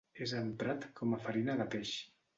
És emprat com a farina de peix.